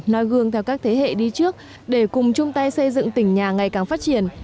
nói gương theo các thế hệ đi trước để cùng chung tay xây dựng tỉnh nhà ngày càng phát triển